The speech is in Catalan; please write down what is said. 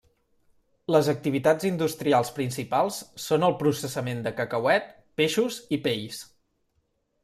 Les activitats industrials principals són el processament de cacauet, peixos, i pells.